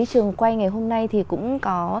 trường quay ngày hôm nay thì cũng có